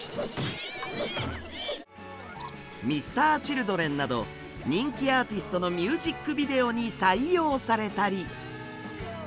Ｍｒ．Ｃｈｉｌｄｒｅｎなど人気アーティストのミュージックビデオに採用されたり。